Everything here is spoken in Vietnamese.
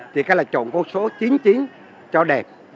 thì cái là trộn con số chín mươi chín cho đẹp